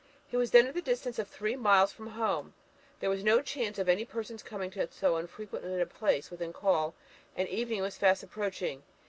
He was then at the distance of three miles from home there was no chance of any person's coming in so unfrequented a place within call, and evening was fast approaching.